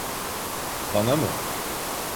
Bana mı?